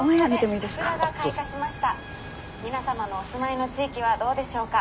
「皆様のお住まいの地域はどうでしょうか？